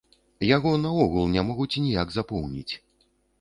Яго наогул не могуць ніяк запоўніць.